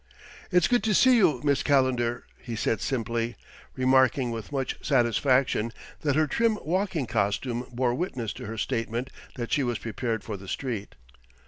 "It's good to see you, Miss Calendar," he said simply, remarking with much satisfaction that her trim walking costume bore witness to her statement that she was prepared for the street.